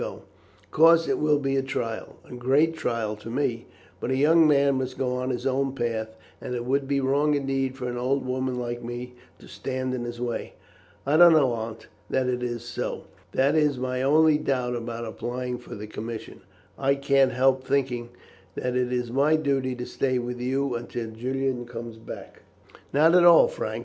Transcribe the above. Of course it will be a trial, a great trial to me; but a young man must go on his own path, and it would be wrong indeed for an old woman like me to stand in his way." "I don't know, Aunt, that it is so. That is my only doubt about applying for the commission. I can't help thinking that it is my duty to stay with you until Julian comes back." "Not at all, Frank.